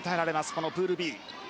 このプールＢ。